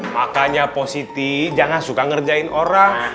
makanya positif jangan suka ngerjain orang